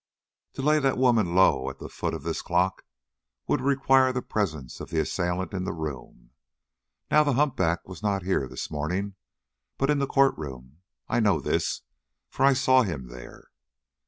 To lay that woman low at the foot of this clock would require the presence of the assailant in the room. Now, the humpback was not here this morning, but in the court room. I know this, for I saw him there."